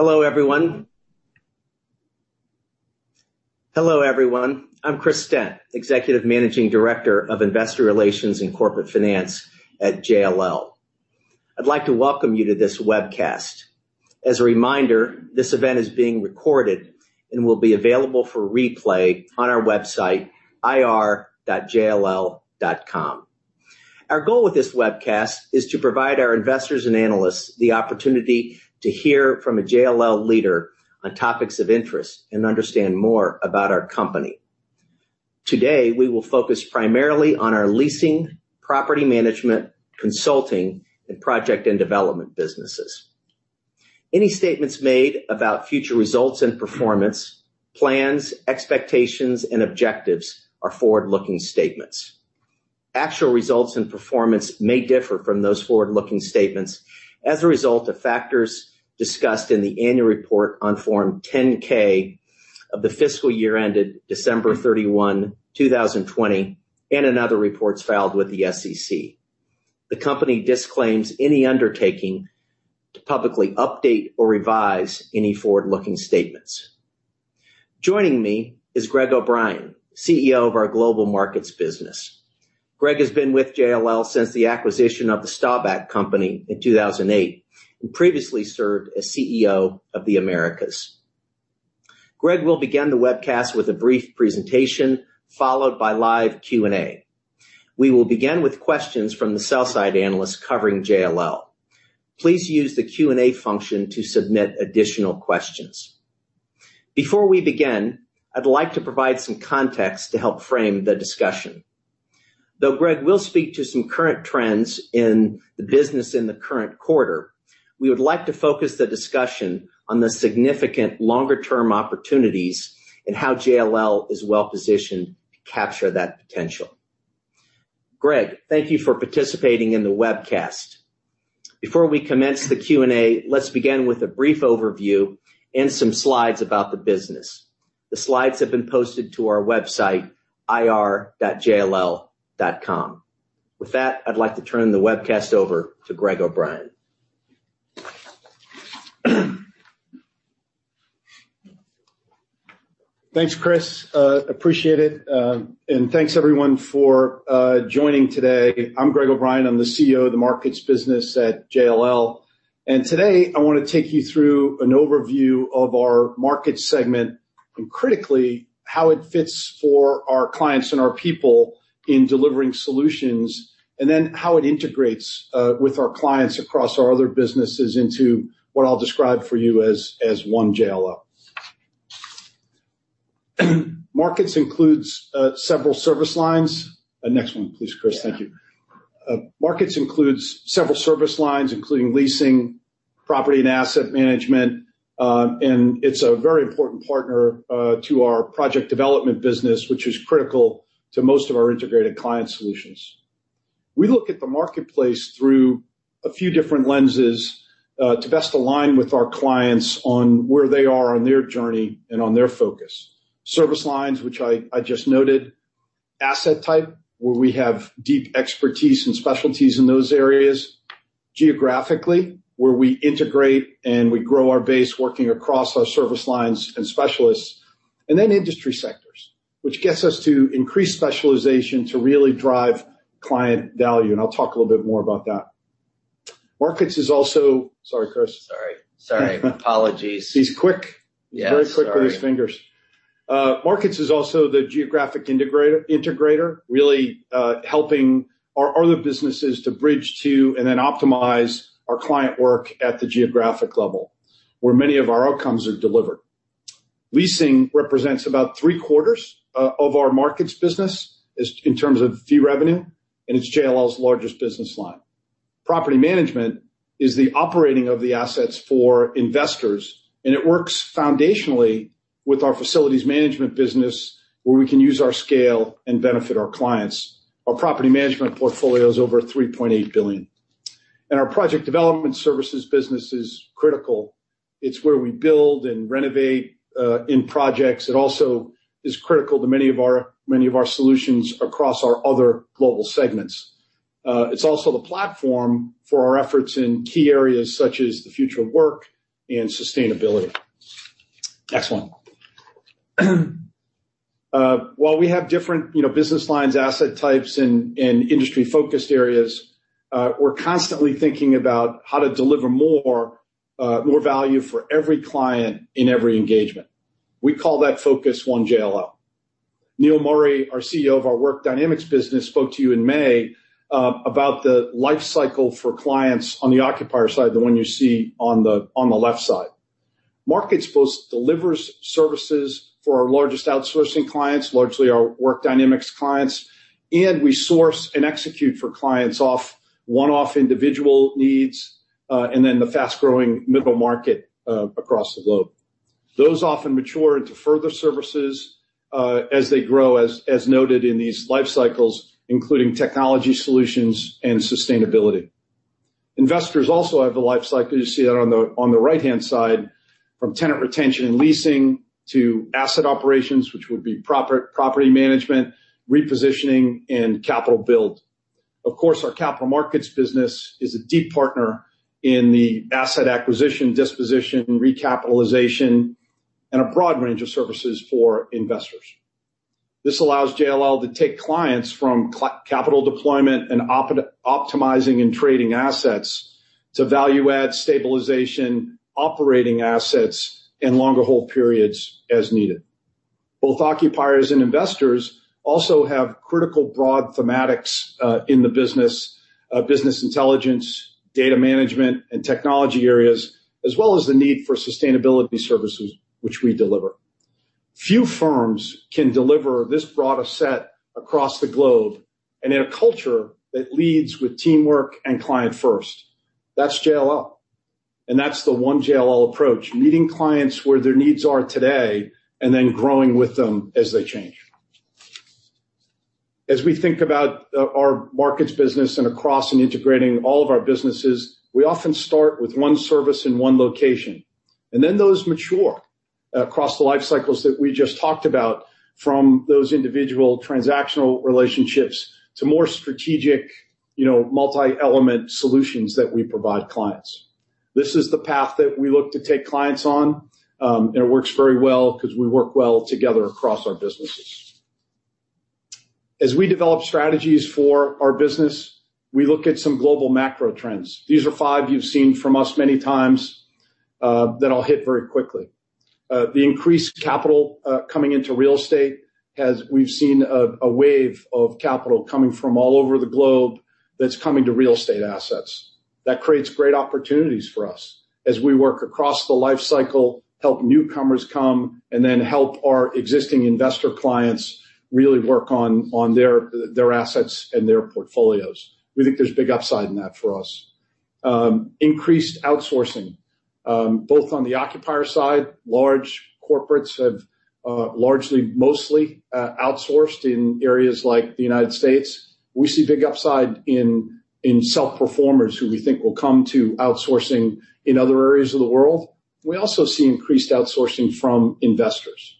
Hello everyone. Hello everyone. I'm Chris Stent, Executive Managing Director of Investor Relations and Corporate Finance at JLL. I'd like to welcome you to this webcast. As a reminder, this event is being recorded and will be available for replay on our website, ir.jll.com. Our goal with this webcast is to provide our investors and analysts the opportunity to hear from a JLL leader on topics of interest and understand more about our company. Today we will focus primarily on our leasing, property management, consulting, and project and development businesses. Any statements made about future results and performance, plans, expectations, and objectives are forward-looking statements. Actual results and performance may differ from those forward-looking statements as a result of factors discussed in the annual report on Form 10-K of the fiscal year ended December 31, 2020, and in other reports filed with the SEC. The company disclaims any undertaking to publicly update or revise any forward-looking statements. Joining me is Greg O'Brien, CEO of our global Markets business. Greg has been with JLL since the acquisition of the Staubach Company in 2008 and previously served as CEO of the Americas. Greg will begin the webcast with a brief presentation followed by live Q&A. We will begin with questions from the sell-side analysts covering JLL. Please use the Q&A function to submit additional questions. Before we begin, I'd like to provide some context to help frame the discussion. Though Greg will speak to some current trends in the business in the current quarter, we would like to focus the discussion on the significant longer-term opportunities and how JLL is well-positioned to capture that potential. Greg, thank you for participating in the webcast. Before we commence the Q&A, let's begin with a brief overview and some slides about the business. The slides have been posted to our website, ir.jll.com. With that, I'd like to turn the webcast over to Greg O’Brien. Thanks, Chris. Appreciate it. And thanks everyone for joining today. I'm Greg O'Brien. I'm the CEO of the Markets business at JLL. And today I want to take you through an overview of our Markets segment and critically how it fits for our clients and our people in delivering solutions, and then how it integrates with our clients across our other businesses into what I'll describe for you as One JLL. Markets includes several service lines. Next one, please, Chris. Thank you. Markets includes several service lines, including leasing, property, and asset management. And it's a very important partner to our project development business, which is critical to most of our integrated client solutions. We look at the marketplace through a few different lenses to best align with our clients on where they are on their journey and on their focus. Service lines, which I just noted. Asset type, where we have deep expertise and specialties in those areas. Geographically, where we integrate and we grow our base working across our service lines and specialists. And then industry sectors, which gets us to increase specialization to really drive client value. I'll talk a little bit more about that. Markets is also. Sorry, Chris. Sorry. Sorry. Apologies. He's quick. He's very quick with his fingers. Markets is also the geographic integrator, really helping our other businesses to bridge to and then optimize our client work at the geographic level where many of our outcomes are delivered. Leasing represents about three-quarters of our Markets business in terms of fee revenue, and it's JLL's largest business line. Property management is the operating of the assets for investors, and it works foundationally with our facilities management business where we can use our scale and benefit our clients. Our property management portfolio is over 3.8 billion. Our Project Development Services business is critical. It's where we build and renovate in projects. It also is critical to many of our solutions across our other global segments. It's also the platform for our efforts in key areas such as the future of work and sustainability. Next one. While we have different business lines, asset types, and industry-focused areas, we're constantly thinking about how to deliver more value for every client in every engagement. We call that focus One JLL. Neil Murray, our CEO of our Work Dynamics business, spoke to you in May about the lifecycle for clients on the occupier side, the one you see on the left side. Markets both delivers services for our largest outsourcing clients, largely our Work Dynamics clients, and we source and execute for clients off one-off individual needs and then the fast-growing middle market across the globe. Those often mature into further services as they grow, as noted in these lifecycles, including technology solutions and sustainability. Investors also have a lifecycle. You see that on the right-hand side from tenant retention and leasing to asset operations, which would be property management, repositioning, and capital build. Of course, our Capital Markets business is a deep partner in the asset acquisition, disposition, recapitalization, and a broad range of services for investors. This allows JLL to take clients from capital deployment and optimizing and trading assets to value-add stabilization, operating assets, and longer hold periods as needed. Both occupiers and investors also have critical broad thematics in the business: business intelligence, data management, and technology areas, as well as the need for sustainability services, which we deliver. Few firms can deliver this broad asset across the globe and in a culture that leads with teamwork and client first. That's JLL. And that's the One JLL approach: meeting clients where their needs are today and then growing with them as they change. As we think about our Markets business and across and integrating all of our businesses, we often start with one service in one location. Then those mature across the lifecycles that we just talked about, from those individual transactional relationships to more strategic, multi-element solutions that we provide clients. This is the path that we look to take clients on, and it works very well because we work well together across our businesses. As we develop strategies for our business, we look at some global macro trends. These are five you've seen from us many times that I'll hit very quickly. The increased capital coming into real estate, as we've seen a wave of capital coming from all over the globe that's coming to real estate assets. That creates great opportunities for us as we work across the lifecycle, help newcomers come, and then help our existing investor clients really work on their assets and their portfolios. We think there's big upside in that for us. Increased outsourcing, both on the occupier side. Large corporates have largely, mostly outsourced in areas like the United States. We see big upside in self-performers who we think will come to outsourcing in other areas of the world. We also see increased outsourcing from investors.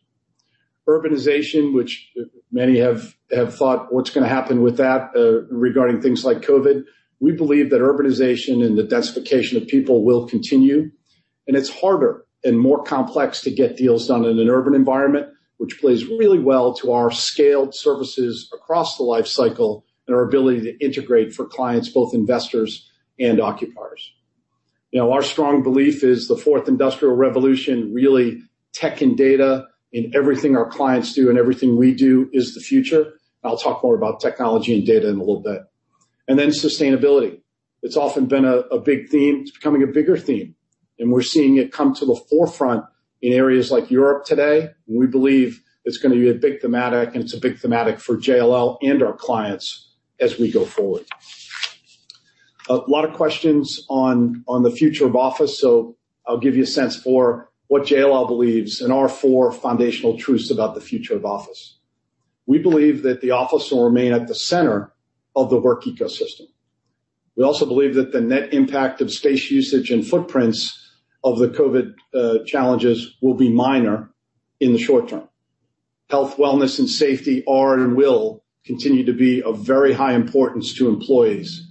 Urbanization, which many have thought, "What's going to happen with that regarding things like COVID?" We believe that urbanization and the densification of people will continue. It's harder and more complex to get deals done in an urban environment, which plays really well to our scaled services across the lifecycle and our ability to integrate for clients, both investors and occupiers. Our strong belief is the Fourth Industrial Revolution, really tech and data in everything our clients do and everything we do is the future. I'll talk more about technology and data in a little bit. Then sustainability. It's often been a big theme. It's becoming a bigger theme. We're seeing it come to the forefront in areas like Europe today. We believe it's going to be a big thematic, and it's a big thematic for JLL and our clients as we go forward. A lot of questions on the future of office. I'll give you a sense for what JLL believes and our four foundational truths about the future of office. We believe that the office will remain at the center of the work ecosystem. We also believe that the net impact of space usage and footprints of the COVID challenges will be minor in the short term. Health, wellness, and safety are and will continue to be of very high importance to employees.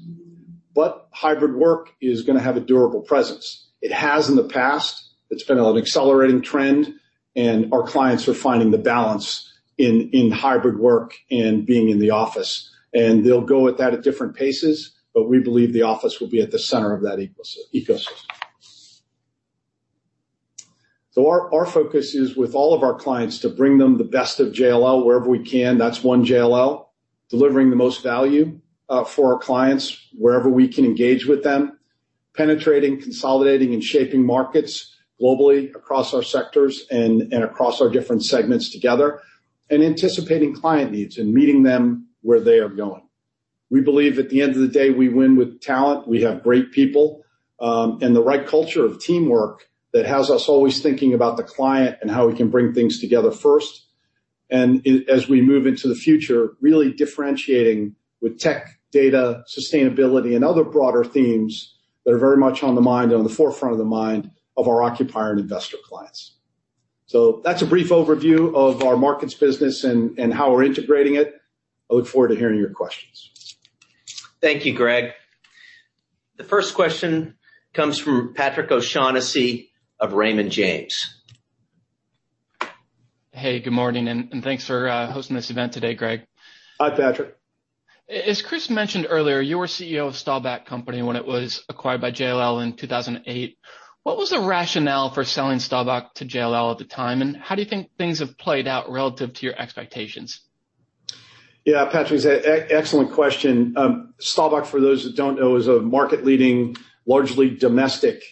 But hybrid work is going to have a durable presence. It has in the past. It's been an accelerating trend, and our clients are finding the balance in hybrid work and being in the office. They'll go at that at different paces, but we believe the office will be at the center of that ecosystem. Our focus is with all of our clients to bring them the best of JLL wherever we can. That's One JLL: delivering the most value for our clients wherever we can engage with them, penetrating, consolidating, and shaping markets globally across our sectors and across our different segments together, and anticipating client needs and meeting them where they are going. We believe at the end of the day, we win with talent. We have great people and the right culture of teamwork that has us always thinking about the client and how we can bring things together first. As we move into the future, really differentiating with tech, data, sustainability, and other broader themes that are very much on the mind and on the forefront of the mind of our occupier and investor clients. That's a brief overview of our Markets business and how we're integrating it. I look forward to hearing your questions. Thank you, Greg. The first question comes from Patrick O'Shaughnessy of Raymond James. Hey. Good morning. Thanks for hosting this event today, Greg. Hi, Patrick. As Chris mentioned earlier, you were CEO of Staubach Company when it was acquired by JLL in 2008. What was the rationale for selling Staubach to JLL at the time, and how do you think things have played out relative to your expectations? Yeah, Patrick, excellent question. Staubach, for those that don't know, is a market-leading, largely domestic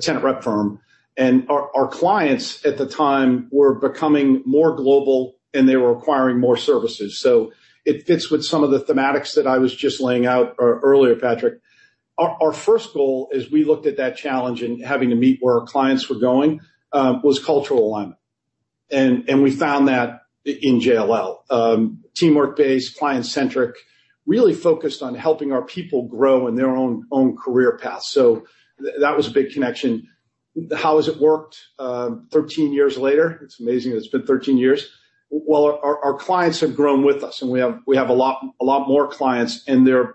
tenant rep firm. Our clients at the time were becoming more global, and they were acquiring more services. It fits with some of the thematics that I was just laying out earlier, Patrick. Our first goal as we looked at that challenge and having to meet where our clients were going was cultural alignment. We found that in JLL: teamwork-based, client-centric, really focused on helping our people grow in their own career paths. That was a big connection. How has it worked 13 years later? It's amazing that it's been 13 years. Well, our clients have grown with us, and we have a lot more clients, and they're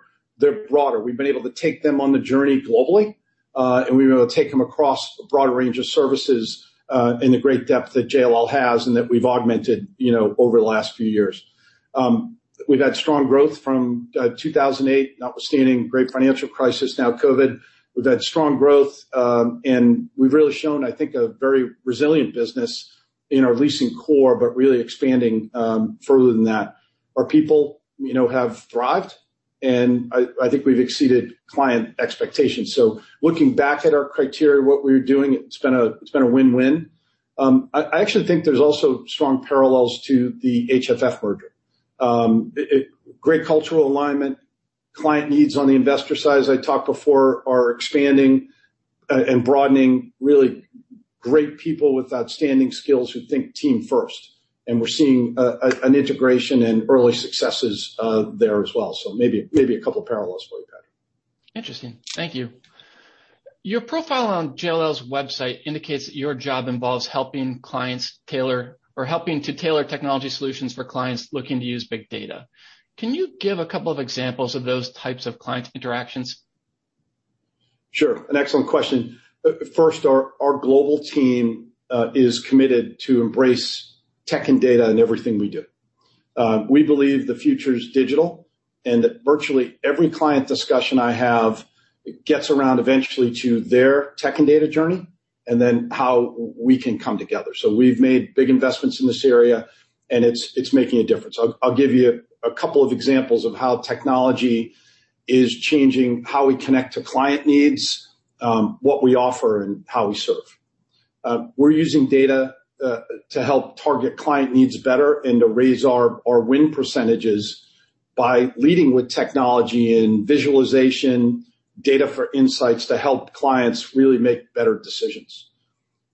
broader. We've been able to take them on the journey globally, and we've been able to take them across a broader range of services in the great depth that JLL has and that we've augmented over the last few years. We've had strong growth from 2008, notwithstanding the great financial crisis, now COVID. We've had strong growth, and we've really shown, I think, a very resilient business in our leasing core but really expanding further than that. Our people have thrived, and I think we've exceeded client expectations. So looking back at our criteria, what we were doing, it's been a win-win. I actually think there's also strong parallels to the HFF merger. Great cultural alignment. Client needs on the investor side, as I talked before, are expanding and broadening really great people with outstanding skills who think team first. And we're seeing an integration and early successes there as well. Maybe a couple of parallels for you, Patrick. Interesting. Thank you. Your profile on JLL's website indicates that your job involves helping clients tailor or helping to tailor technology solutions for clients looking to use big data. Can you give a couple of examples of those types of client interactions? Sure. An excellent question. First, our global team is committed to embrace tech and data in everything we do. We believe the future is digital and that virtually every client discussion I have gets around eventually to their tech and data journey and then how we can come together. So we've made big investments in this area, and it's making a difference. I'll give you a couple of examples of how technology is changing how we connect to client needs, what we offer, and how we serve. We're using data to help target client needs better and to raise our win percentages by leading with technology and visualization, data for insights to help clients really make better decisions.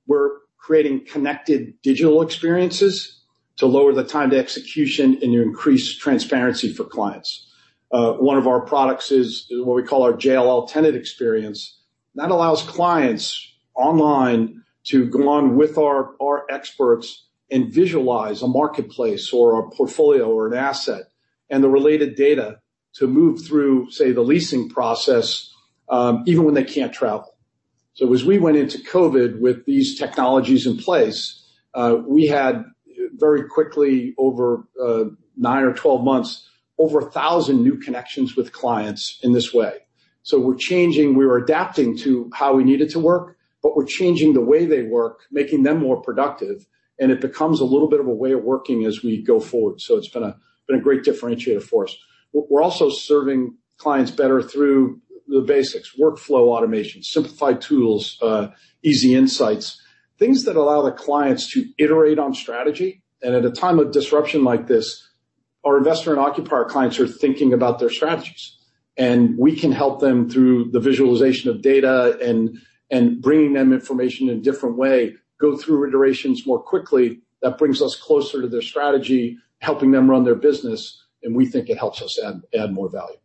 We're creating connected digital experiences to lower the time to execution and increase transparency for clients. One of our products is what we call our JLL Tenant Experience. That allows clients online to go on with our experts and visualize a marketplace or a portfolio or an asset and the related data to move through, say, the leasing process even when they can't travel. So as we went into COVID with these technologies in place, we had very quickly, over 9 or 12 months, over 1,000 new connections with clients in this way. So we're changing. We were adapting to how we needed to work, but we're changing the way they work, making them more productive. And it becomes a little bit of a way of working as we go forward. So it's been a great differentiator for us. We're also serving clients better through the basics: workflow automation, simplified tools, easy insights, things that allow the clients to iterate on strategy. At a time of disruption like this, our investor and occupier clients are thinking about their strategies. We can help them through the visualization of data and bringing them information in a different way, go through iterations more quickly. That brings us closer to their strategy, helping them run their business. We think it helps us add more value.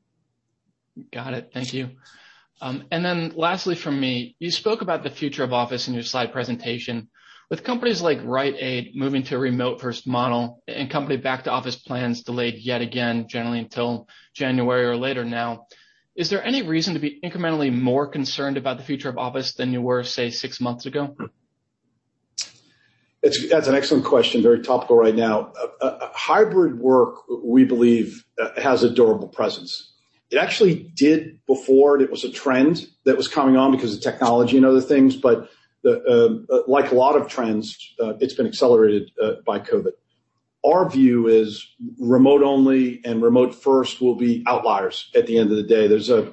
Got it. Thank you. Then lastly from me, you spoke about the future of office in your slide presentation. With companies like Rite Aid moving to a remote-first model and company back-to-office plans delayed yet again, generally until January or later now, is there any reason to be incrementally more concerned about the future of office than you were, say, six months ago? That's an excellent question, very topical right now. Hybrid work, we believe, has a durable presence. It actually did before, and it was a trend that was coming on because of technology and other things. But like a lot of trends, it's been accelerated by COVID. Our view is remote-only and remote-first will be outliers at the end of the day. There's a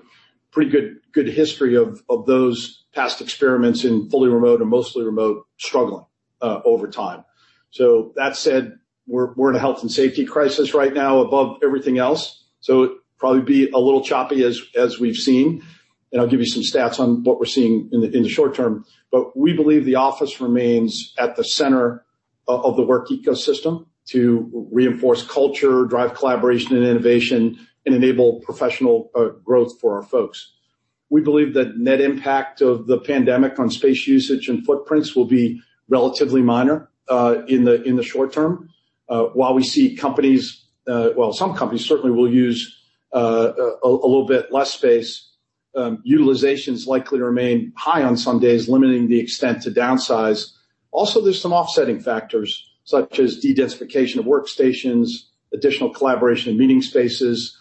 pretty good history of those past experiments in fully remote and mostly remote struggling over time. So that said, we're in a health and safety crisis right now above everything else. So it'd probably be a little choppy as we've seen. And I'll give you some stats on what we're seeing in the short term. But we believe the office remains at the center of the work ecosystem to reinforce culture, drive collaboration and innovation, and enable professional growth for our folks. We believe that net impact of the pandemic on space usage and footprints will be relatively minor in the short term. While we see companies well, some companies certainly will use a little bit less space, utilization is likely to remain high on some days, limiting the extent to downsize. Also, there's some offsetting factors such as de-densification of workstations, additional collaboration in meeting spaces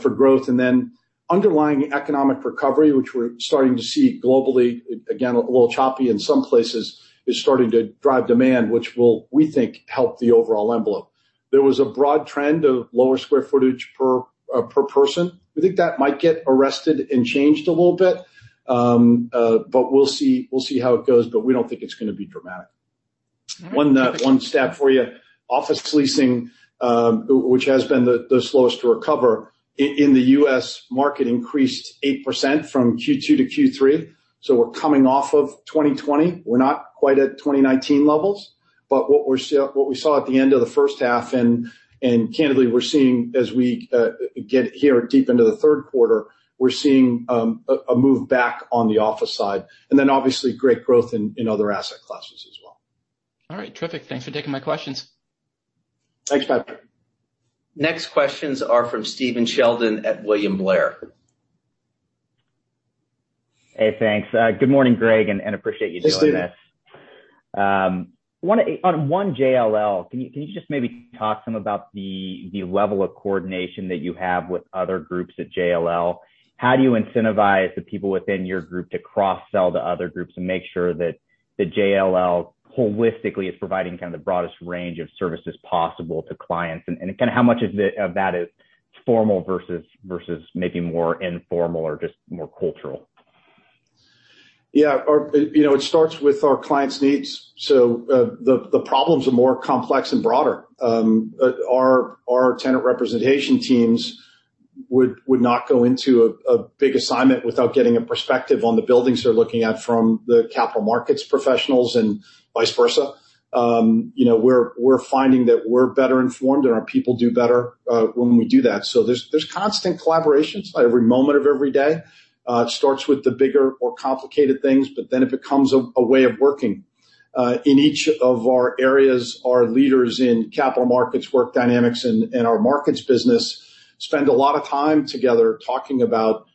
for growth, and then underlying economic recovery, which we're starting to see globally, again, a little choppy in some places, is starting to drive demand, which will, we think, help the overall envelope. There was a broad trend of lower square footage per person. We think that might get arrested and changed a little bit, but we'll see how it goes. But we don't think it's going to be dramatic. One stat for you: office leasing, which has been the slowest to recover in the U.S. market, increased 8% from Q2 to Q3. So we're coming off of 2020. We're not quite at 2019 levels. But what we saw at the end of the first half and candidly, we're seeing as we get here deep into the third quarter, we're seeing a move back on the office side. And then obviously, great growth in other asset classes as well. All right. Terrific. Thanks for taking my questions. Thanks, Patrick. Next questions are from Stephen Sheldon at William Blair. Hey, thanks. Good morning, Greg, and appreciate you doing this. On One JLL, can you just maybe talk some about the level of coordination that you have with other groups at JLL? How do you incentivize the people within your group to cross-sell to other groups and make sure that the JLL holistically is providing kind of the broadest range of services possible to clients? And kind of how much of that is formal versus maybe more informal or just more cultural? Yeah. It starts with our clients' needs. So the problems are more complex and broader. Our tenant representation teams would not go into a big assignment without getting a perspective on the buildings they're looking at from the Capital Markets professionals and vice versa. We're finding that we're better informed, and our people do better when we do that. So there's constant collaborations every moment of every day. It starts with the bigger, more complicated things, but then it becomes a way of working. In each of our areas, our leaders in Capital Markets, Work Dynamics, and our Markets business spend a lot of time together talking about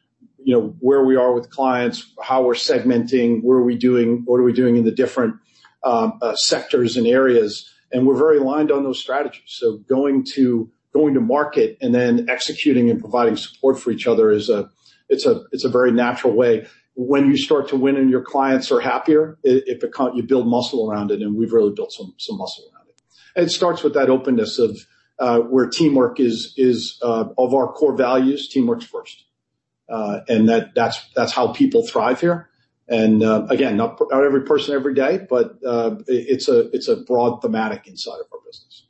where we are with clients, how we're segmenting, what are we doing in the different sectors and areas. And we're very aligned on those strategies. So going to market and then executing and providing support for each other, it's a very natural way. When you start to win and your clients are happier, you build muscle around it. And we've really built some muscle around it. And it starts with that openness of where teamwork is one of our core values, teamwork's first. And that's how people thrive here. And again, not every person every day, but it's a broad thematic inside of our business.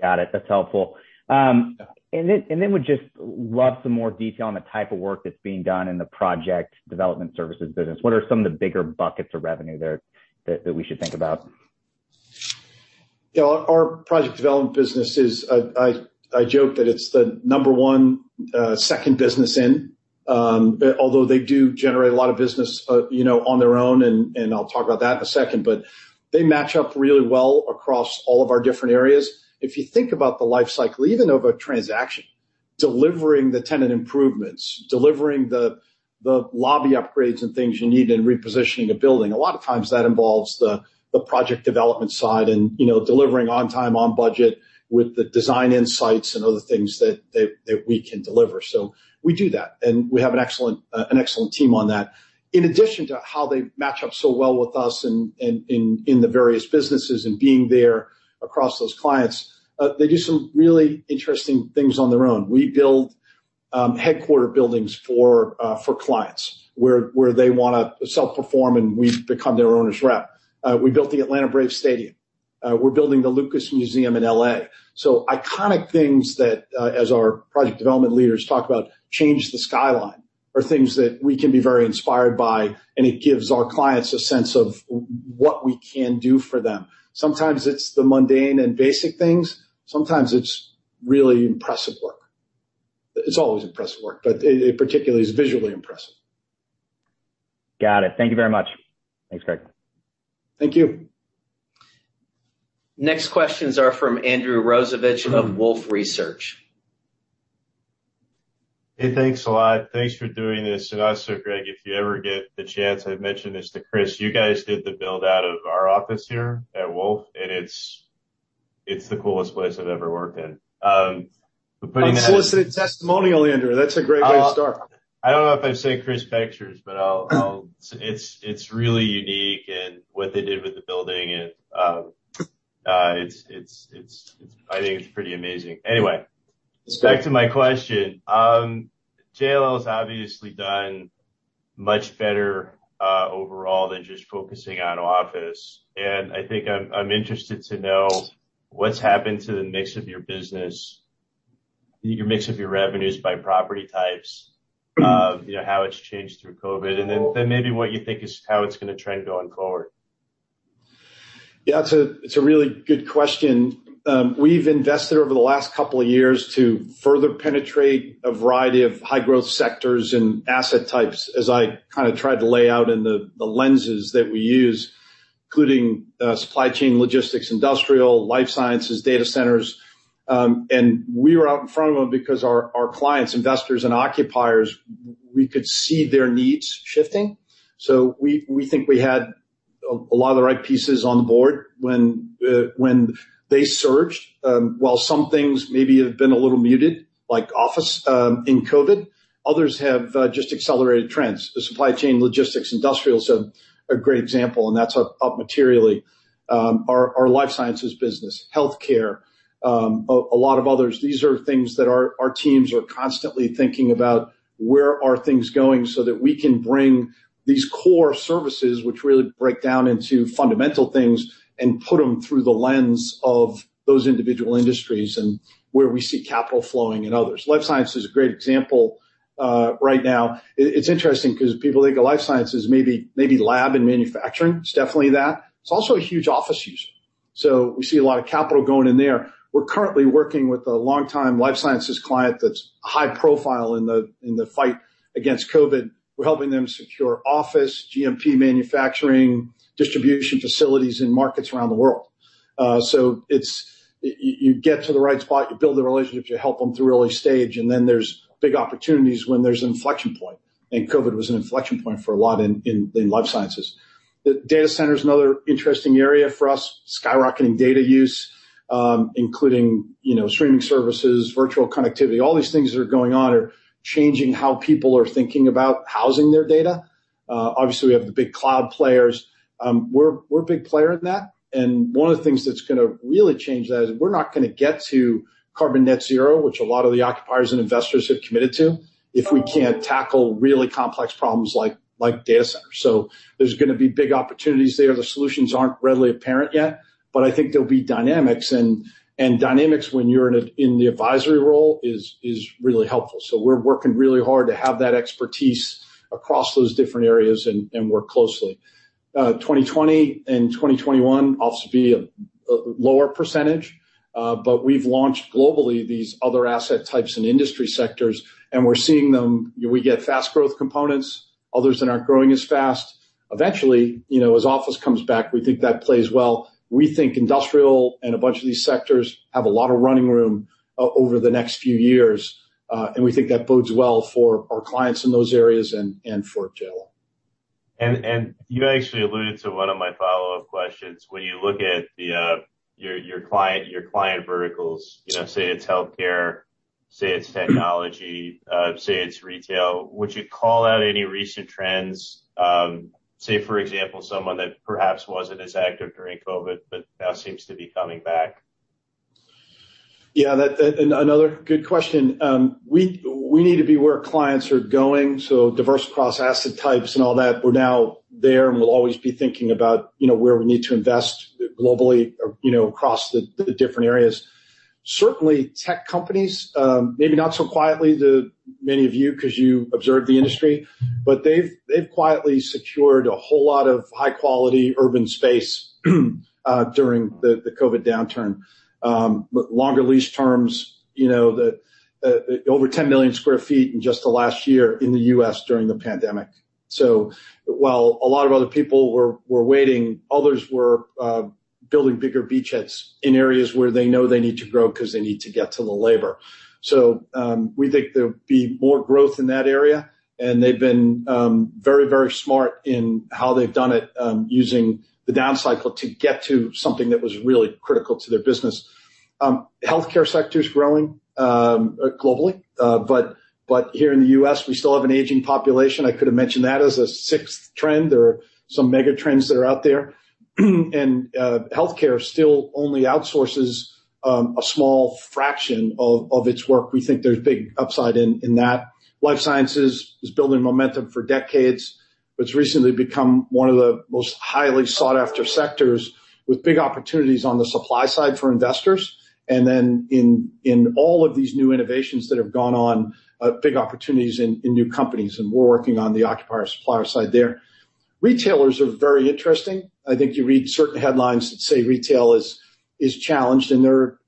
Got it. That's helpful. And then would just love some more detail on the type of work that's being done in the Project Development Services business. What are some of the bigger buckets of revenue there that we should think about? Yeah. Our project development business is. I joke that it's the number one second business in, although they do generate a lot of business on their own. And I'll talk about that in a second. But they match up really well across all of our different areas. If you think about the lifecycle even of a transaction, delivering the tenant improvements, delivering the lobby upgrades and things you need, and repositioning a building, a lot of times that involves the project development side and delivering on time, on budget with the design insights and other things that we can deliver. So we do that, and we have an excellent team on that. In addition to how they match up so well with us in the various businesses and being there across those clients, they do some really interesting things on their own. We build headquarters buildings for clients where they want to self-perform, and we've become their owner's rep. We built the Atlanta Braves Stadium. We're building the Lucas Museum in L.A. So iconic things that, as our project development leaders talk about, change the skyline are things that we can be very inspired by, and it gives our clients a sense of what we can do for them. Sometimes it's the mundane and basic things. Sometimes it's really impressive work. It's always impressive work, but it particularly is visually impressive. Got it. Thank you very much. Thanks, Greg. Thank you. Next questions are from Andrew Rosivach of Wolfe Research. Hey, thanks a lot. Thanks for doing this. And also, Greg, if you ever get the chance, I mentioned this to Chris. You guys did the build-out of our office here at Wolfe, and it's the coolest place I've ever worked in. Unsolicited testimonial, Andrew. That's a great way to start. I don't know if I've said Chris Baxter's, but it's really unique and what they did with the building. I think it's pretty amazing. Anyway, back to my question. JLL's obviously done much better overall than just focusing on office. I think I'm interested to know what's happened to the mix of your business, your mix of your revenues by property types, how it's changed through COVID, and then maybe what you think is how it's going to trend going forward. Yeah. It's a really good question. We've invested over the last couple of years to further penetrate a variety of high-growth sectors and asset types as I kind of tried to lay out in the lenses that we use, including supply chain logistics, industrial, life sciences, data centers. And we were out in front of them because our clients, investors, and occupiers, we could see their needs shifting. So we think we had a lot of the right pieces on the board when they surged. While some things maybe have been a little muted, like office in COVID, others have just accelerated trends. The supply chain logistics, industrial is a great example, and that's up materially. Our life sciences business, healthcare, a lot of others. These are things that our teams are constantly thinking about, where are things going so that we can bring these core services, which really break down into fundamental things, and put them through the lens of those individual industries and where we see capital flowing in others. Life science is a great example right now. It's interesting because people think of life science as maybe lab and manufacturing. It's definitely that. It's also a huge office user. So we see a lot of capital going in there. We're currently working with a longtime life sciences client that's high profile in the fight against COVID. We're helping them secure office, GMP manufacturing, distribution facilities in markets around the world. So you get to the right spot, you build the relationships, you help them through early stage, and then there's big opportunities when there's an inflection point. COVID was an inflection point for a lot in life sciences. Data center is another interesting area for us, skyrocketing data use, including streaming services, virtual connectivity. All these things that are going on are changing how people are thinking about housing their data. Obviously, we have the big cloud players. We're a big player in that. And one of the things that's going to really change that is we're not going to get to carbon net zero, which a lot of the occupiers and investors have committed to, if we can't tackle really complex problems like data centers. So there's going to be big opportunities there. The solutions aren't readily apparent yet, but I think there'll be dynamics. And dynamics when you're in the advisory role is really helpful. So we're working really hard to have that expertise across those different areas and work closely. 2020 and 2021, office will be a lower percentage. But we've launched globally these other asset types and industry sectors, and we're seeing them. We get fast-growth components, others that aren't growing as fast. Eventually, as office comes back, we think that plays well. We think industrial and a bunch of these sectors have a lot of running room over the next few years. And we think that bodes well for our clients in those areas and for JLL. You actually alluded to one of my follow-up questions. When you look at your client verticals, say it's healthcare, say it's technology, say it's retail, would you call out any recent trends? Say, for example, someone that perhaps wasn't as active during COVID but now seems to be coming back? Yeah. Another good question. We need to be where clients are going. So diverse cross-asset types and all that, we're now there and we'll always be thinking about where we need to invest globally across the different areas. Certainly, tech companies, maybe not so quietly to many of you because you observe the industry, but they've quietly secured a whole lot of high-quality urban space during the COVID downturn. Longer lease terms, over 10 million sq ft in just the last year in the U.S. during the pandemic. So while a lot of other people were waiting, others were building bigger beachheads in areas where they know they need to grow because they need to get to the labor. So we think there'll be more growth in that area, and they've been very, very smart in how they've done it using the downcycle to get to something that was really critical to their business. Healthcare sector's growing globally, but here in the U.S., we still have an aging population. I could have mentioned that as a sixth trend or some mega trends that are out there. And healthcare still only outsources a small fraction of its work. We think there's big upside in that. Life sciences is building momentum for decades. It's recently become one of the most highly sought-after sectors with big opportunities on the supply side for investors. And then in all of these new innovations that have gone on, big opportunities in new companies. And we're working on the occupier-supplier side there. Retailers are very interesting. I think you read certain headlines that say retail is challenged, and they're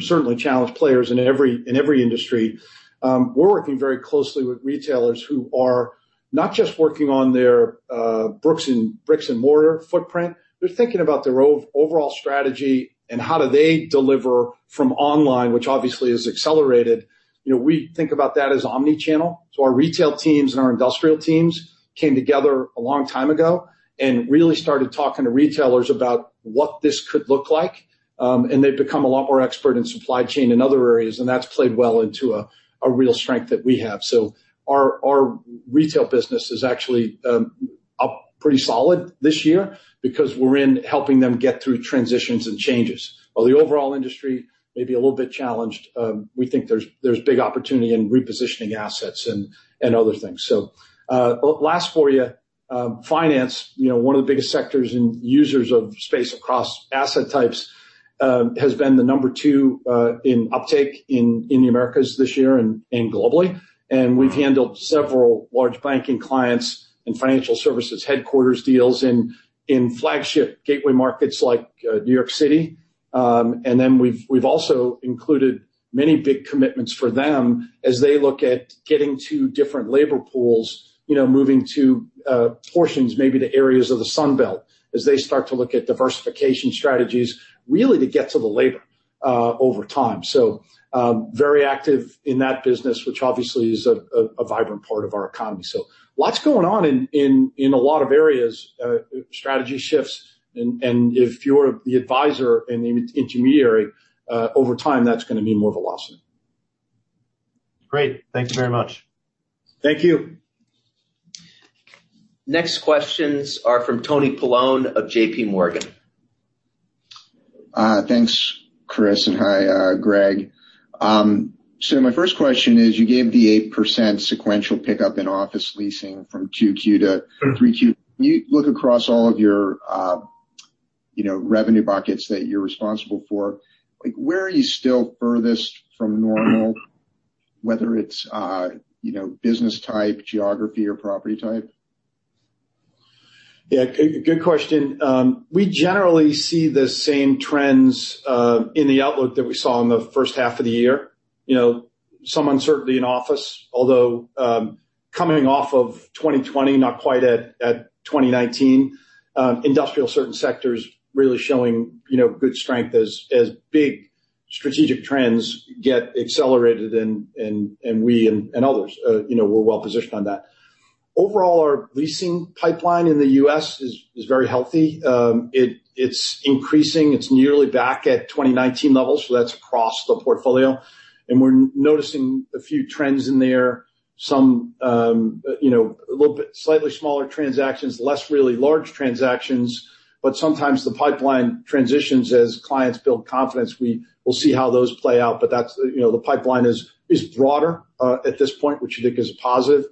certainly challenged players in every industry. We're working very closely with retailers who are not just working on their bricks-and-mortar footprint. They're thinking about their overall strategy and how do they deliver from online, which obviously is accelerated. We think about that as omnichannel. So our retail teams and our industrial teams came together a long time ago and really started talking to retailers about what this could look like. And they've become a lot more expert in supply chain and other areas, and that's played well into a real strength that we have. So our retail business is actually pretty solid this year because we're in helping them get through transitions and changes. While the overall industry may be a little bit challenged, we think there's big opportunity in repositioning assets and other things. So, last for you, finance. One of the biggest sectors and users of space across asset types has been the number 2 in uptake in the Americas this year and globally. We've handled several large banking clients and financial services headquarters deals in flagship gateway markets like New York City. Then we've also included many big commitments for them as they look at getting to different labor pools, moving to portions, maybe the areas of the Sunbelt as they start to look at diversification strategies, really to get to the labor over time. Very active in that business, which obviously is a vibrant part of our economy. Lots going on in a lot of areas, strategy shifts. If you're the advisor and the intermediary, over time, that's going to mean more velocity. Great. Thank you very much. Thank you. Next questions are from Tony Paolone of JPMorgan. Thanks, Chris. Hi, Greg. My first question is, you gave the 8% sequential pickup in office leasing from 2Q to 3Q. When you look across all of your revenue buckets that you're responsible for, where are you still furthest from normal, whether it's business type, geography, or property type? Yeah. Good question. We generally see the same trends in the outlook that we saw in the first half of the year. Some uncertainty in office, although coming off of 2020, not quite at 2019, industrial certain sectors really showing good strength as big strategic trends get accelerated, and we and others were well positioned on that. Overall, our leasing pipeline in the U.S. is very healthy. It's increasing. It's nearly back at 2019 levels, so that's across the portfolio. And we're noticing a few trends in there, some slightly smaller transactions, less really large transactions. But sometimes the pipeline transitions as clients build confidence. We'll see how those play out. But the pipeline is broader at this point, which I think is a positive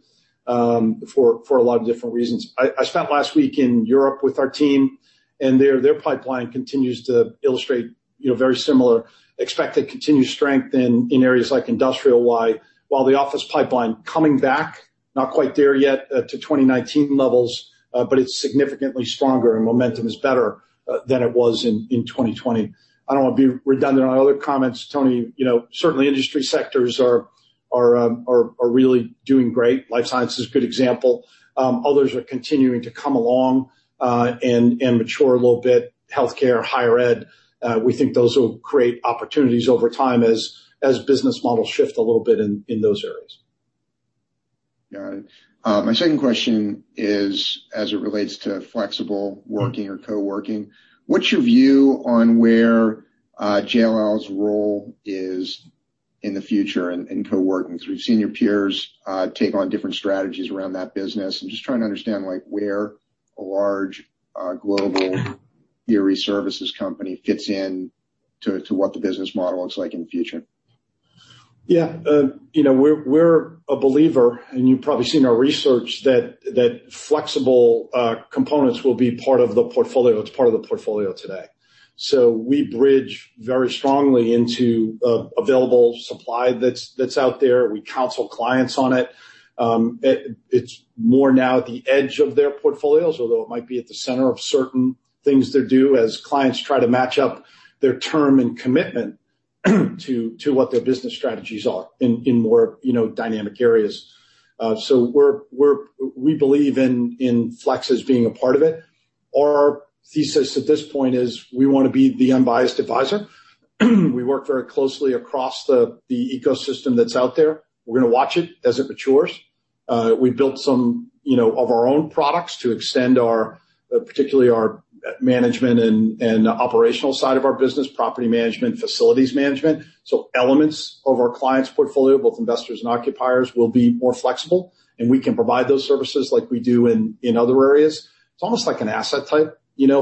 for a lot of different reasons. I spent last week in Europe with our team, and their pipeline continues to illustrate very similar expected continued strength in areas like industrial-wide. While the office pipeline coming back, not quite there yet to 2019 levels, but it's significantly stronger and momentum is better than it was in 2020. I don't want to be redundant on other comments. Tony, certainly industry sectors are really doing great. Life science is a good example. Others are continuing to come along and mature a little bit. Healthcare, higher ed, we think those will create opportunities over time as business models shift a little bit in those areas. Got it. My second question is, as it relates to flexible working or coworking, what's your view on where JLL's role is in the future in coworking? Because we've seen your peers take on different strategies around that business. I'm just trying to understand where a large global realty services company fits into what the business model looks like in the future. Yeah. We're a believer, and you've probably seen our research, that flexible components will be part of the portfolio. It's part of the portfolio today. So we bridge very strongly into available supply that's out there. We counsel clients on it. It's more now at the edge of their portfolios, although it might be at the center of certain things they do as clients try to match up their term and commitment to what their business strategies are in more dynamic areas. So we believe in flex as being a part of it. Our thesis at this point is we want to be the unbiased advisor. We work very closely across the ecosystem that's out there. We're going to watch it as it matures. We built some of our own products to extend, particularly our management and operational side of our business, property management, facilities management. So elements of our clients' portfolio, both investors and occupiers, will be more flexible, and we can provide those services like we do in other areas. It's almost like an asset type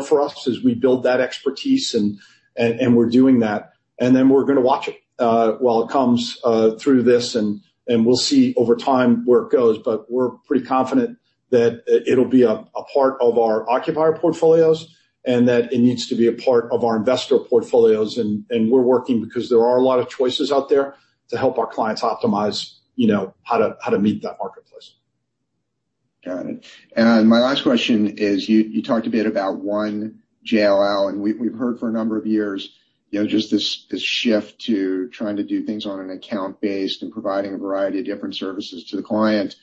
for us as we build that expertise, and we're doing that. And then we're going to watch it while it comes through this, and we'll see over time where it goes. But we're pretty confident that it'll be a part of our occupier portfolios and that it needs to be a part of our investor portfolios. And we're working because there are a lot of choices out there to help our clients optimize how to meet that marketplace. Got it. And my last question is, you talked a bit about One JLL, and we've heard for a number of years just this shift to trying to do things on an account-based and providing a variety of different services to the client.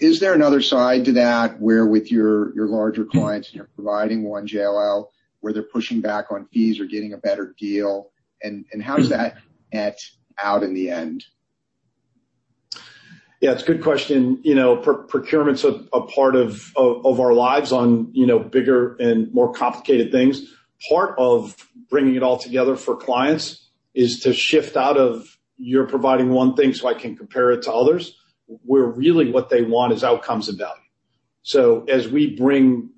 Is there another side to that where, with your larger clients and you're providing One JLL, where they're pushing back on fees or getting a better deal? And how does that add out in the end? Yeah. It's a good question. Procurement's a part of our lives on bigger and more complicated things. Part of bringing it all together for clients is to shift out of, "You're providing one thing so I can compare it to others." Where really what they want is outcomes and value. So as we bring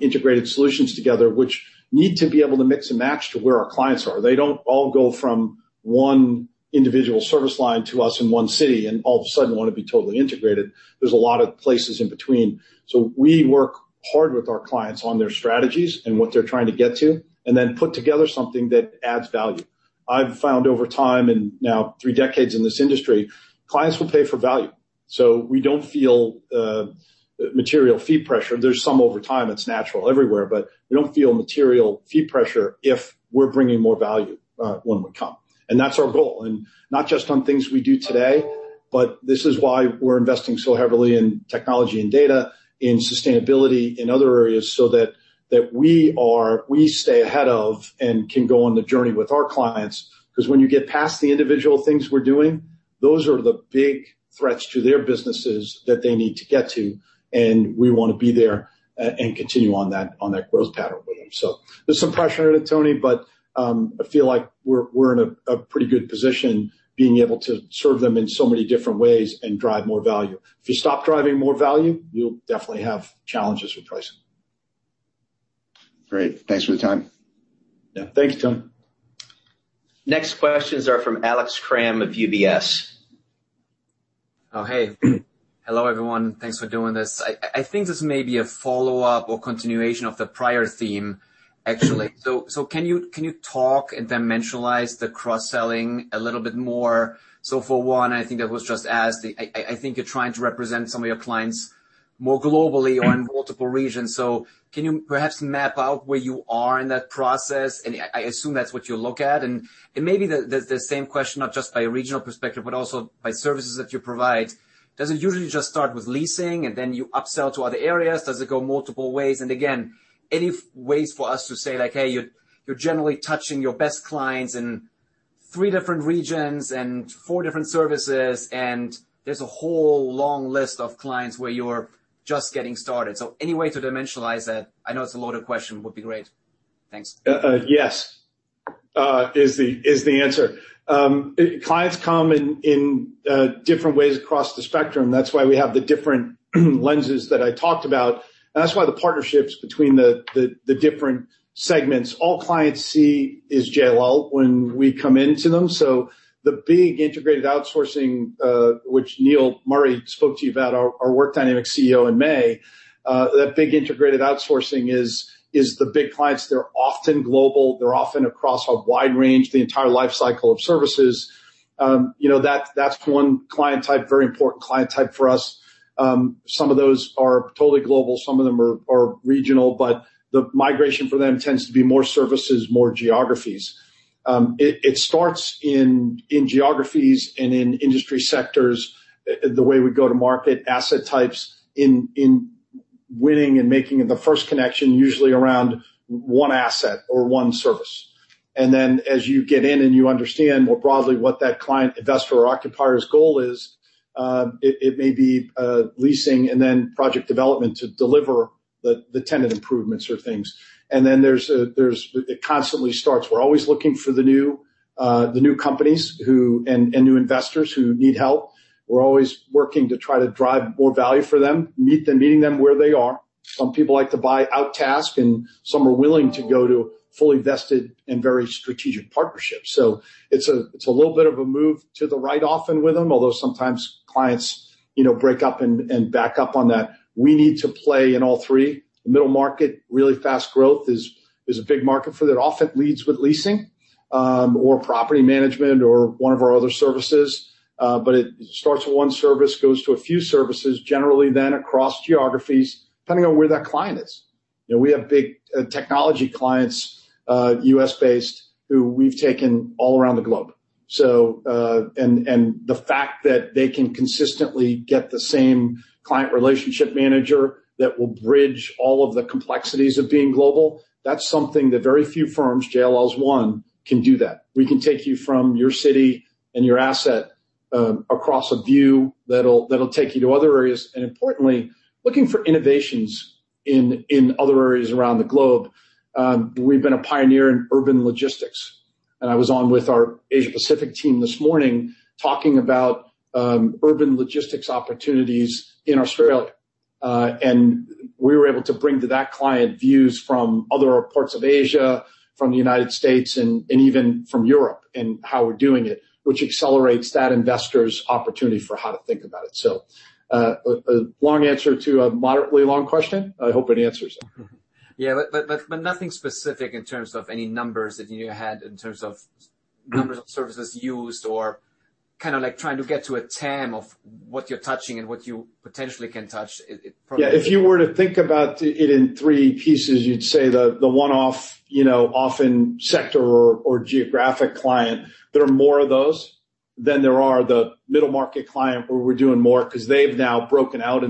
integrated solutions together, which need to be able to mix and match to where our clients are, they don't all go from one individual service line to us in one city and all of a sudden want to be totally integrated. There's a lot of places in between. So we work hard with our clients on their strategies and what they're trying to get to and then put together something that adds value. I've found over time and now three decades in this industry, clients will pay for value. So we don't feel material fee pressure. There's some over time. It's natural everywhere. But we don't feel material fee pressure if we're bringing more value when we come. And that's our goal, and not just on things we do today. But this is why we're investing so heavily in technology and data, in sustainability, in other areas so that we stay ahead of and can go on the journey with our clients. Because when you get past the individual things we're doing, those are the big threats to their businesses that they need to get to. And we want to be there and continue on that growth pattern with them. So there's some pressure in it, Tony, but I feel like we're in a pretty good position being able to serve them in so many different ways and drive more value. If you stop driving more value, you'll definitely have challenges with pricing. Great. Thanks for the time. Yeah. Thanks, Tony. Next questions are from Alex Kramm of UBS. Oh, hey. Hello, everyone. Thanks for doing this. I think this may be a follow-up or continuation of the prior theme, actually. So can you talk and dimensionalize the cross-selling a little bit more? So for one, I think that was just asked. I think you're trying to represent some of your clients more globally or in multiple regions. So can you perhaps map out where you are in that process? And I assume that's what you look at. And it may be the same question, not just by a regional perspective, but also by services that you provide. Does it usually just start with leasing, and then you upsell to other areas? Does it go multiple ways? And again, any ways for us to say like, "Hey, you're generally touching your best clients in three different regions and four different services, and there's a whole long list of clients where you're just getting started"? So any way to dimensionalize that? I know it's a loaded question. Would be great. Thanks. Yes is the answer. Clients come in different ways across the spectrum. That's why we have the different lenses that I talked about. And that's why the partnerships between the different segments, all clients see is JLL when we come into them. So the big integrated outsourcing, which Neil Murray spoke to you about, our Work Dynamics CEO in May, that big integrated outsourcing is the big clients. They're often global. They're often across a wide range, the entire lifecycle of services. That's one client type, very important client type for us. Some of those are totally global. Some of them are regional. But the migration for them tends to be more services, more geographies. It starts in geographies and in industry sectors, the way we go to market, asset types, in winning and making the first connection usually around one asset or one service. And then as you get in and you understand more broadly what that client, investor, or occupier's goal is, it may be leasing and then project development to deliver the tenant improvements or things. It constantly starts. We're always looking for the new companies and new investors who need help. We're always working to try to drive more value for them, meet them, meeting them where they are. Some people like to buy outtask, and some are willing to go to fully vested and very strategic partnerships. So it's a little bit of a move to the right often with them, although sometimes clients break up and back up on that. We need to play in all three. Middle market, really fast growth is a big market for that. It often leads with leasing or property management or one of our other services. But it starts with one service, goes to a few services, generally then across geographies, depending on where that client is. We have big technology clients, U.S.-based, who we've taken all around the globe. And the fact that they can consistently get the same client relationship manager that will bridge all of the complexities of being global, that's something that very few firms, JLL's one, can do that. We can take you from your city and your asset across a view that'll take you to other areas. And importantly, looking for innovations in other areas around the globe. We've been a pioneer in urban logistics. And I was on with our Asia-Pacific team this morning talking about urban logistics opportunities in Australia. We were able to bring to that client views from other parts of Asia, from the United States, and even from Europe and how we're doing it, which accelerates that investor's opportunity for how to think about it. Long answer to a moderately long question. I hope it answers. Yeah. But nothing specific in terms of any numbers that you had in terms of numbers of services used or kind of trying to get to a TAM of what you're touching and what you potentially can touch. Yeah. If you were to think about it in three pieces, you'd say the one-off often sector or geographic client, there are more of those than there are the middle market client where we're doing more because they've now broken out,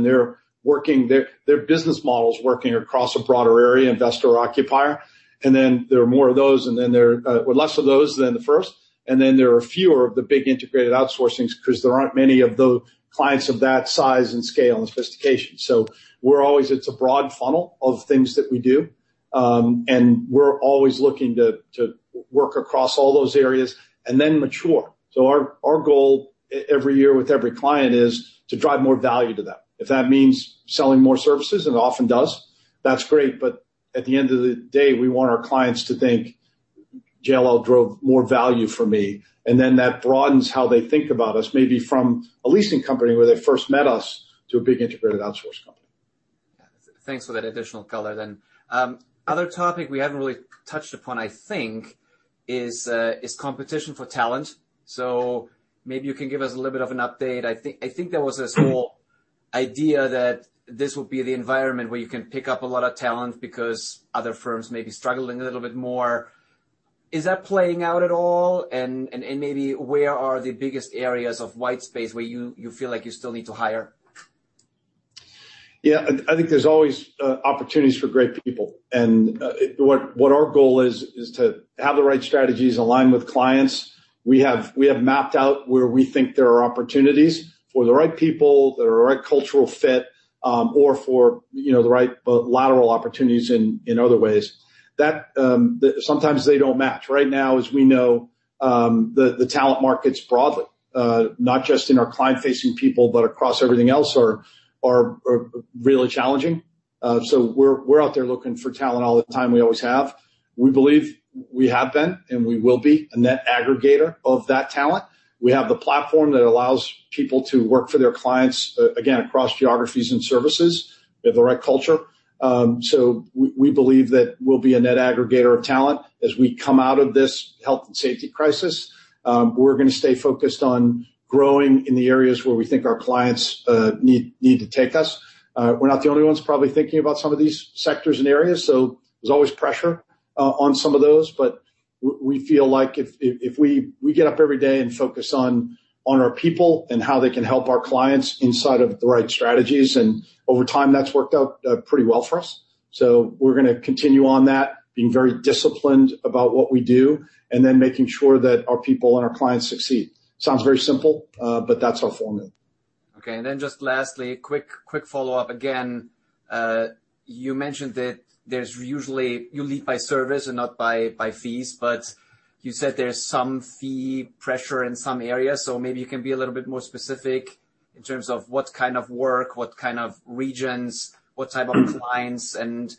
and their business model's working across a broader area, investor or occupier. And then there are more of those, and then there are less of those than the first. And then there are fewer of the big integrated outsourcings because there aren't many of the clients of that size and scale and sophistication. So it's a broad funnel of things that we do, and we're always looking to work across all those areas and then mature. So our goal every year with every client is to drive more value to them. If that means selling more services, and it often does, that's great. At the end of the day, we want our clients to think, "JLL drove more value for me." Then that broadens how they think about us, maybe from a leasing company where they first met us to a big integrated outsourcing company. Yeah. Thanks for that additional color then. Other topic we haven't really touched upon, I think, is competition for talent. So maybe you can give us a little bit of an update. I think there was this whole idea that this would be the environment where you can pick up a lot of talent because other firms may be struggling a little bit more. Is that playing out at all? And maybe where are the biggest areas of white space where you feel like you still need to hire? Yeah. I think there's always opportunities for great people. And what our goal is is to have the right strategies aligned with clients. We have mapped out where we think there are opportunities for the right people, there are a right cultural fit, or for the right lateral opportunities in other ways. Sometimes they don't match. Right now, as we know, the talent markets broadly, not just in our client-facing people but across everything else, are really challenging. So we're out there looking for talent all the time. We always have. We believe we have been, and we will be, a net aggregator of that talent. We have the platform that allows people to work for their clients, again, across geographies and services. We have the right culture. So we believe that we'll be a net aggregator of talent as we come out of this health and safety crisis. We're going to stay focused on growing in the areas where we think our clients need to take us. We're not the only ones probably thinking about some of these sectors and areas. So there's always pressure on some of those. But we feel like if we get up every day and focus on our people and how they can help our clients inside of the right strategies, and over time, that's worked out pretty well for us. So we're going to continue on that, being very disciplined about what we do, and then making sure that our people and our clients succeed. Sounds very simple, but that's our formula. Okay. And then just lastly, quick follow-up. Again, you mentioned that you lead by service and not by fees. But you said there's some fee pressure in some areas. So maybe you can be a little bit more specific in terms of what kind of work, what kind of regions, what type of clients, and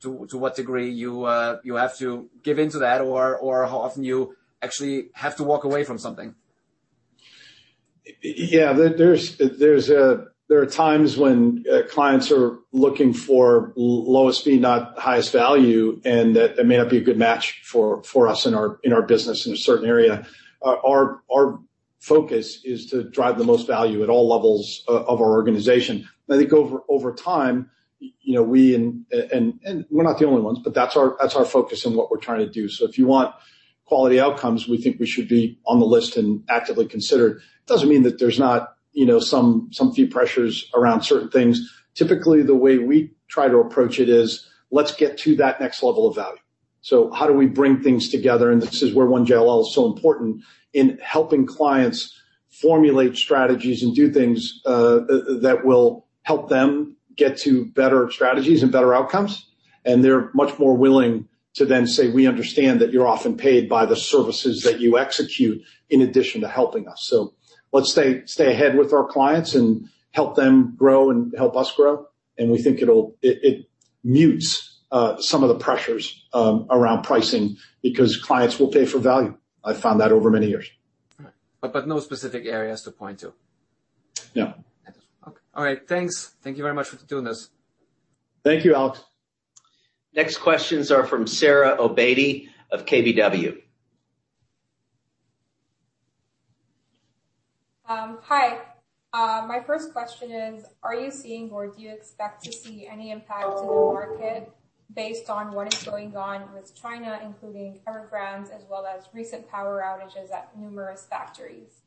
to what degree you have to give in to that or how often you actually have to walk away from something? Yeah. There are times when clients are looking for lowest fee, not highest value, and that may not be a good match for us in our business in a certain area. Our focus is to drive the most value at all levels of our organization. I think over time, we and we're not the only ones, but that's our focus and what we're trying to do. If you want quality outcomes, we think we should be on the list and actively considered. It doesn't mean that there's not some fee pressures around certain things. Typically, the way we try to approach it is, "Let's get to that next level of value." How do we bring things together? This is where One JLL is so important in helping clients formulate strategies and do things that will help them get to better strategies and better outcomes. And they're much more willing to then say, "We understand that you're often paid by the services that you execute in addition to helping us. So let's stay ahead with our clients and help them grow and help us grow." And we think it mutes some of the pressures around pricing because clients will pay for value. I've found that over many years. But no specific areas to point to? No. Okay. All right. Thanks. Thank you very much for doing this. Thank you, Alex. Next questions are from Sara Obetti of KBW. Hi. My first question is, are you seeing or do you expect to see any impact in the market based on what is going on with China, including immigrants as well as recent power outages at numerous factories?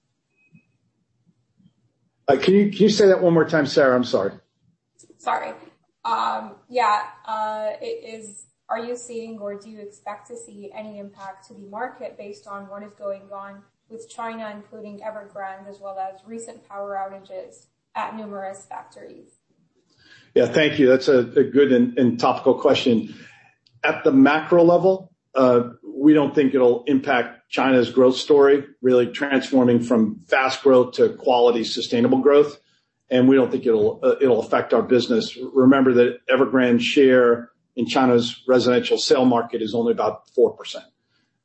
Can you say that one more time, Sara? I'm sorry. Sorry. Yeah. Are you seeing or do you expect to see any impact to the market based on what is going on with China, including Evergrande as well as recent power outages at numerous factories? Yeah. Thank you. That's a good and topical question. At the macro level, we don't think it'll impact China's growth story, really transforming from fast growth to quality, sustainable growth. And we don't think it'll affect our business. Remember that Evergrande's share in China's residential sale market is only about 4%.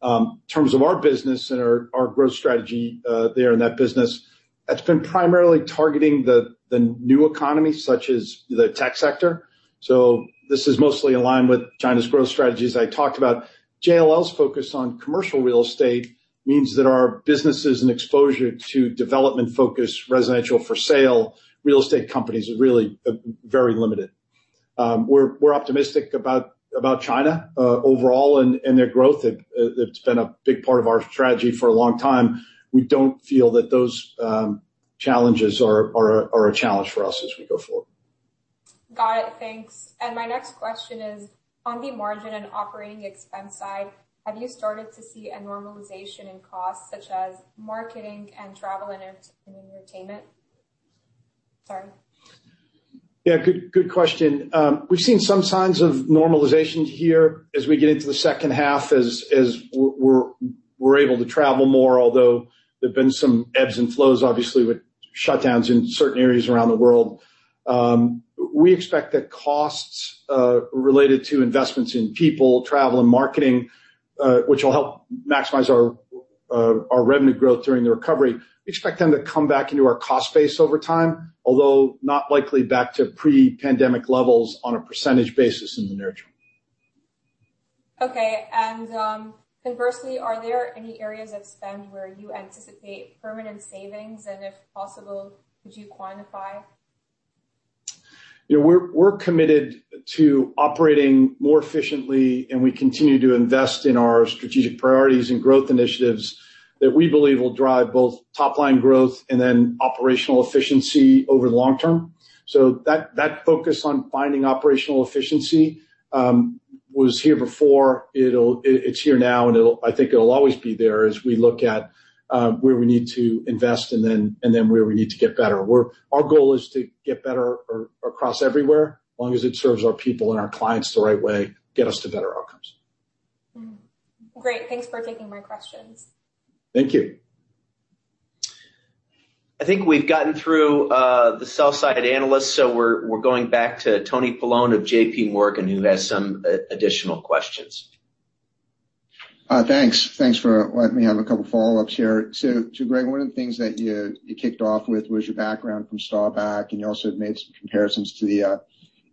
In terms of our business and our growth strategy there in that business, that's been primarily targeting the new economy such as the tech sector. So this is mostly in line with China's growth strategies I talked about. JLL's focus on commercial real estate means that our businesses and exposure to development-focused residential-for-sale real estate companies is really very limited. We're optimistic about China overall and their growth. It's been a big part of our strategy for a long time. We don't feel that those challenges are a challenge for us as we go forward. Got it. Thanks. My next question is, on the margin and operating expense side, have you started to see a normalization in costs such as marketing and travel and entertainment? Sorry. Yeah. Good question. We've seen some signs of normalization here as we get into the second half as we're able to travel more, although there have been some ebbs and flows, obviously, with shutdowns in certain areas around the world. We expect that costs related to investments in people, travel, and marketing, which will help maximize our revenue growth during the recovery. We expect them to come back into our cost base over time, although not likely back to pre-pandemic levels on a percentage basis in the near term. Okay. Conversely, are there any areas of spend where you anticipate permanent savings? If possible, could you quantify? We're committed to operating more efficiently, and we continue to invest in our strategic priorities and growth initiatives that we believe will drive both top-line growth and then operational efficiency over the long term. So that focus on finding operational efficiency was here before. It's here now, and I think it'll always be there as we look at where we need to invest and then where we need to get better. Our goal is to get better across everywhere as long as it serves our people and our clients the right way, get us to better outcomes. Great. Thanks for taking my questions. Thank you. I think we've gotten through the sell-side analyst. So we're going back to Tony Paolone of JPMorgan, who has some additional questions. Thanks. Thanks for letting me have a couple of follow-ups here. So, Greg, one of the things that you kicked off with was your background from Staubach, and you also made some comparisons to the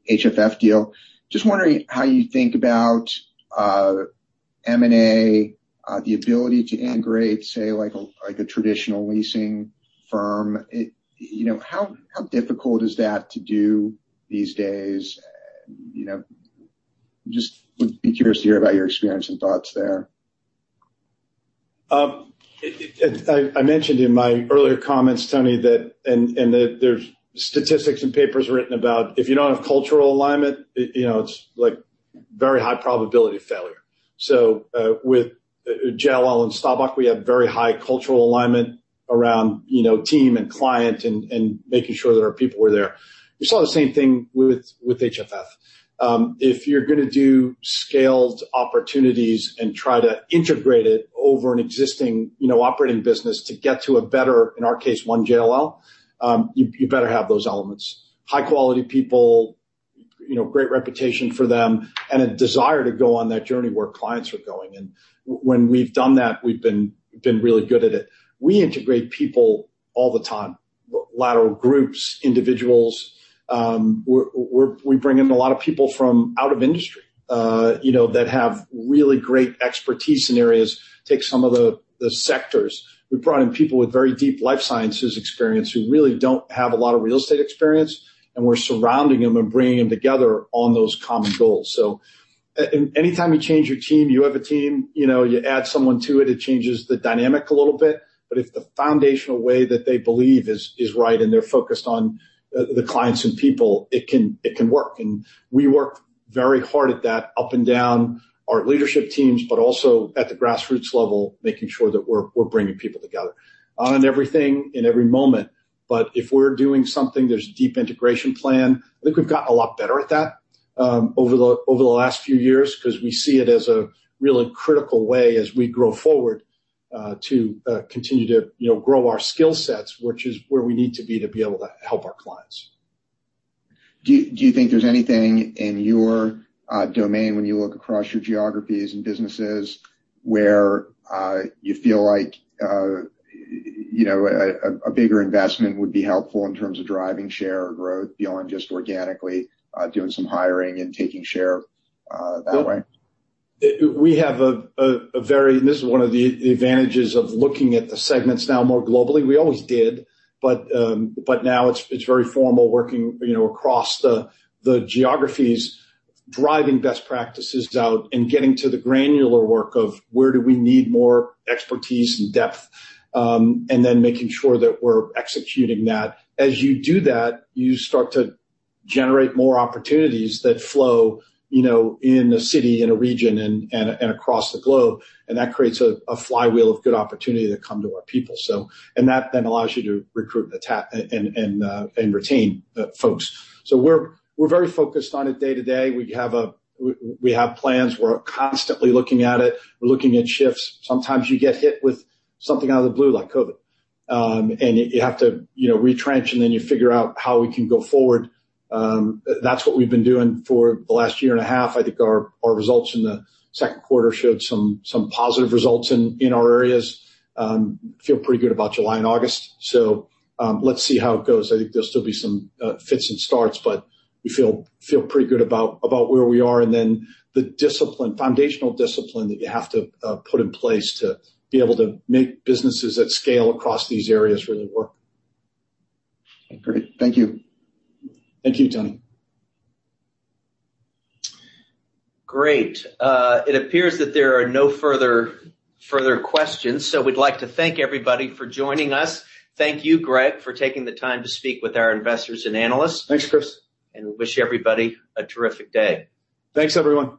HFF deal. Just wondering how you think about M&A, the ability to integrate, say, a traditional leasing firm. How difficult is that to do these days? Just would be curious to hear about your experience and thoughts there. I mentioned in my earlier comments, Tony, and there's statistics and papers written about if you don't have cultural alignment, it's very high probability of failure. So with JLL and Staubach, we have very high cultural alignment around team and client and making sure that our people were there. You saw the same thing with HFF. If you're going to do scaled opportunities and try to integrate it over an existing operating business to get to a better, in our case, One JLL, you better have those elements: high-quality people, great reputation for them, and a desire to go on that journey where clients are going. And when we've done that, we've been really good at it. We integrate people all the time, lateral groups, individuals. We bring in a lot of people from out of industry that have really great expertise in areas, take some of the sectors. We brought in people with very deep life sciences experience who really don't have a lot of real estate experience, and we're surrounding them and bringing them together on those common goals. So anytime you change your team, you have a team, you add someone to it, it changes the dynamic a little bit. But if the foundational way that they believe is right and they're focused on the clients and people, it can work. And we work very hard at that up and down our leadership teams but also at the grassroots level, making sure that we're bringing people together on everything in every moment. But if we're doing something, there's a deep integration plan. I think we've gotten a lot better at that over the last few years because we see it as a really critical way as we grow forward to continue to grow our skill sets, which is where we need to be to be able to help our clients. Do you think there's anything in your domain when you look across your geographies and businesses where you feel like a bigger investment would be helpful in terms of driving share or growth beyond just organically doing some hiring and taking share that way? This is one of the advantages of looking at the segments now more globally. We always did, but now it's very formal, working across the geographies, driving best practices out and getting to the granular work of where do we need more expertise and depth, and then making sure that we're executing that. As you do that, you start to generate more opportunities that flow in a city, in a region, and across the globe. That creates a flywheel of good opportunity that come to our people. That then allows you to recruit and retain folks. We're very focused on it day to day. We have plans. We're constantly looking at it. We're looking at shifts. Sometimes you get hit with something out of the blue like COVID, and you have to retrench, and then you figure out how we can go forward. That's what we've been doing for the last year and a half. I think our results in the second quarter showed some positive results in our areas. Feel pretty good about July and August. So let's see how it goes. I think there'll still be some fits and starts, but we feel pretty good about where we are and then the foundational discipline that you have to put in place to be able to make businesses that scale across these areas really work. Great. Thank you. Thank you, Tony. Great. It appears that there are no further questions. So we'd like to thank everybody for joining us. Thank you, Greg, for taking the time to speak with our investors and analysts. Thanks, Chris. Wish everybody a terrific day. Thanks, everyone.